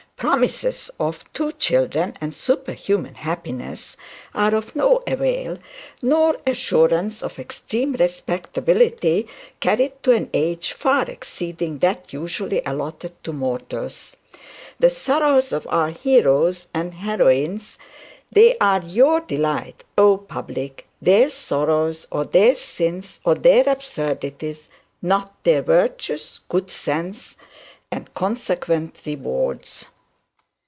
Promises of two children and superhuman happiness are of no avail, nor assurance of extreme respectability carried to an age far exceeding that usually allotted to mortals. The sorrows of our heroes and heroines, they are you delight, oh public! their sorrows, or their sins, or their absurdities; not their virtues, good sense, and consequent rewards.